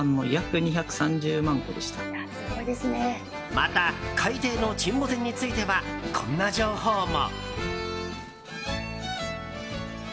また、海底の沈没船についてはこんな情報も。